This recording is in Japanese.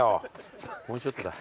もうちょっとだ。